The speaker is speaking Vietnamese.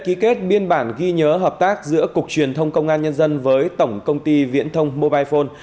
ký kết biên bản ghi nhớ hợp tác giữa cục truyền thông công an nhân dân với tổng công ty viễn thông mobile phone